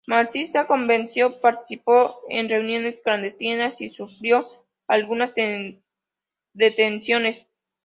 Marxista convencido, participó en reuniones clandestinas y sufrió algunas detenciones.